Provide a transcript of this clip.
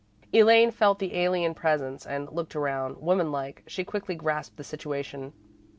Elaine felt the alien presence and looked around. Woman like, she quickly grasped the situation.